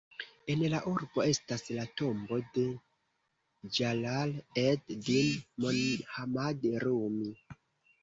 En la urbo estas la tombo de Ĝalal-ed-din Mohammad Rumi.